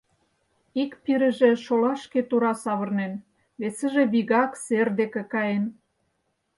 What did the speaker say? Ик пирыже шолашке тура савырнен, весыже вигак сер деке каен.